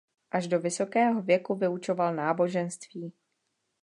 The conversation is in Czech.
Až do vysokého věku vyučoval náboženství.